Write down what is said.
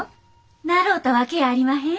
習うたわけやありまへん。